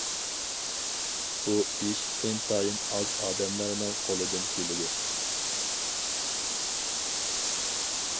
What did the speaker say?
بۇ ئىش ئىنتايىن ئاز ئادەملەرنىڭ قولىدىن كېلىدۇ.